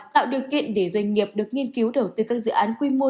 tạo điều kiện để doanh nghiệp được nghiên cứu đầu tư các dự án quy mô